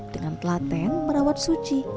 dengan telaten merawat suci